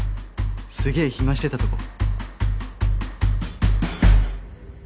すげー暇してたとこ！」。